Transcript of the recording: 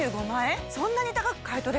そんなに高く買い取れるの？